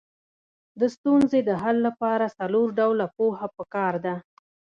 د ستونزې د حل لپاره څلور ډوله پوهه پکار ده.